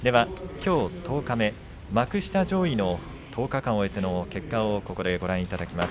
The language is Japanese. きょう十日目幕下上位の１０日間終えての結果をご覧いただきます。